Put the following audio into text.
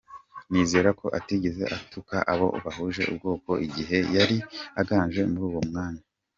Nizereko atigeze atuka abo bahuje ubwoko igihe yari aganje muruwo mwanya.